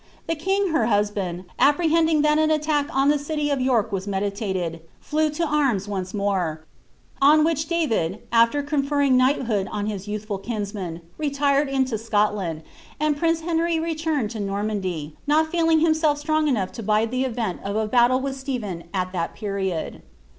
The king her husband, ap prehending that an attack <m the city of York was meditated, flew to arms once more ; on which David, aAer couferring knighthood on his youthful kinsman, retired into Scotland, and prince Henry returned to Normandy, not feeling himself strong enough to bide the event of a banle with Stephen at that period.'